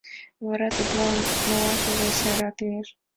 Вара тудлан малашыже сайрак лиеш.